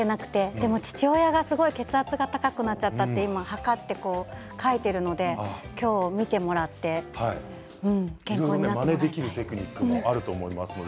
でも父親がすごく血圧が高くなっていたので測って書いているので今日見てもらって健康になってもらいたい。